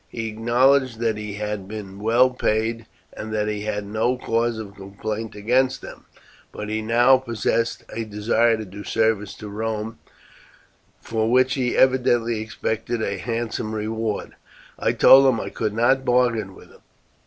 He acknowledged that he had been well paid, and that he had no cause of complaint against them; but he now professed a desire to do service to Rome, for which he evidently expected a handsome reward. I told him I could not bargain with him.